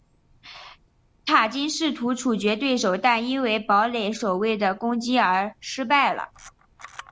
塔金试图处决对手但因为堡垒守卫的攻击而失败了。